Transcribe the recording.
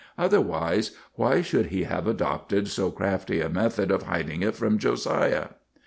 Otherwise, why should he have adopted so crafty a method of hiding it from Josiah?